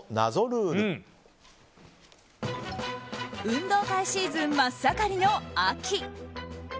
運動会シーズン真っ盛りの秋。